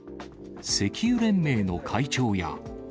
石油連盟の会長や。